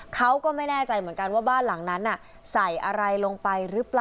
เขาก็ไม่แน่ใจเหมือนกันว่าบ้านหลังนั้นใส่อะไรลงไปหรือเปล่า